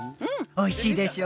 ・おいしいでしょ？